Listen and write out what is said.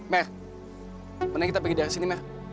mel mending kita pergi dari sini mel